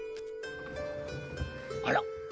あら？